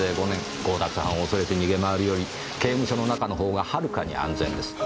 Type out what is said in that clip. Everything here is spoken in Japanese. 強奪犯を恐れて逃げ回るより刑務所の中のほうがはるかに安全です。